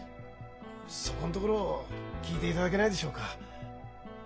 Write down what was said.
そこんところを聞いていただけないでしょうか。